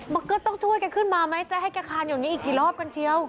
เบิร์ดต้องช่วยให้ให้แกคลานอย่างงี้อีกนี่รอบกันเชียว